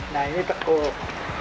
nah ini tekuk